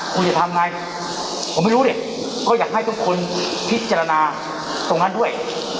ผมไม่รู้เนี่ยก็อยากให้ทุกคนพิจารณาตรงนั้นด้วย